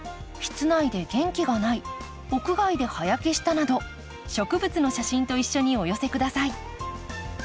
室内で元気がない屋外で葉焼けしたなど植物の写真と一緒にお寄せ下さい。